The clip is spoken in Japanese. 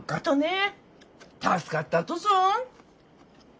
助かったとぞ。